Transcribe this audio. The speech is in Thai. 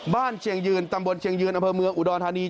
เชียงยืนตำบลเชียงยืนอำเภอเมืองอุดรธานี